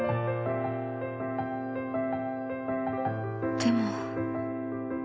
「でも」。